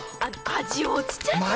味落ちちゃってねえ？